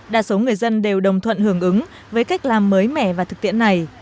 đa số người dân đều đồng thuận hưởng ứng với cách làm mới mẻ và thực tiễn này